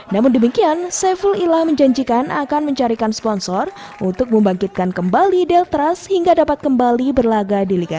namun demikian saiful ilah menjanjikan akan mencarikan sponsor untuk membangkitkan kembali deltras hingga dapat kembali berlaga di liga satu